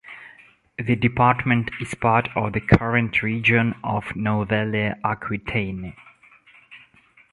The department is part of the current region of Nouvelle-Aquitaine.